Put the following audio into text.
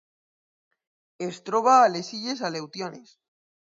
Es troba a les illes Aleutianes.